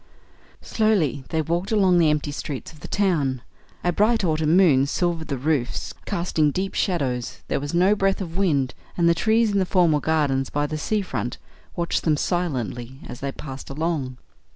Slowly they walked along the empty streets of the town; a bright autumn moon silvered the roofs, casting deep shadows; there was no breath of wind; and the trees in the formal gardens by the sea front watched them silently as they passed along.